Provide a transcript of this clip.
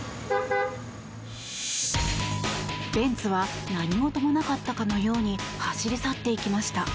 ベンツは何事もなかったかのように走り去っていきました。